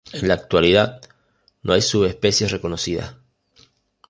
En la actualidad no hay subespecies reconocidas.